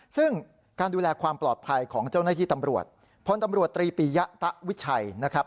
ซึ่งการดูแลความปลอดภัยของเจ้าหน้าที่ตำรวจพลตำรวจตรีปียะตะวิชัยนะครับ